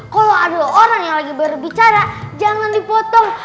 kalau ada orang yang lagi berbicara jangan dipotong